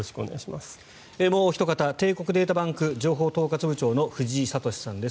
もうおひと方帝国データバンク情報統括部長の藤井俊さんです。